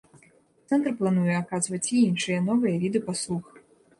Цэнтр плануе аказваць і іншыя новыя віды паслуг.